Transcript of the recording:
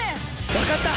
わかった！